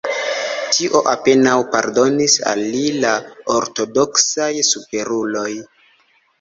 Tion apenaŭ pardonis al li la ortodoksaj superuloj.